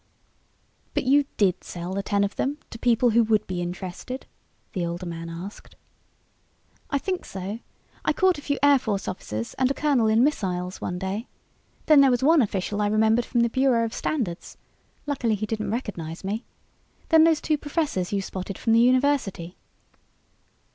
"But you did sell the ten of them to people who would be interested?" the older man asked. "I think so, I caught a few Air Force officers and a colonel in missiles one day. Then there was one official I remembered from the Bureau of Standards. Luckily he didn't recognize me. Then those two professors you spotted from the university."